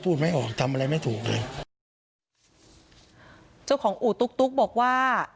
ไม่ออกทำอะไรไม่ถูกเลยเจ้าของอู่ตุ๊กตุ๊กบอกว่า